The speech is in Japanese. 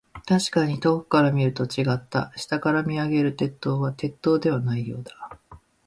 確かに遠くから見るのと、違った。下から見上げる鉄塔は、鉄塔ではないようだ。